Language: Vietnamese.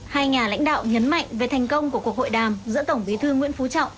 hai nhà lãnh đạo nhấn mạnh về thành công của cuộc hội đàm giữa tổng bí thư nguyễn phú trọng